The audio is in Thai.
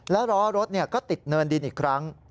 แล้วล้อรถก็ติดเนินดินอีกครั้ง